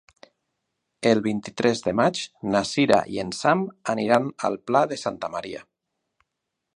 El vint-i-tres de maig na Cira i en Sam aniran al Pla de Santa Maria.